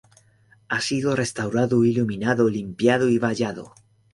Ha sido restaurado, iluminado, limpiado y vallado.